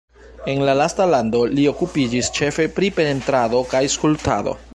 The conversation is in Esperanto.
En la lasta lando li okupiĝis ĉefe pri pentrado kaj skulptado.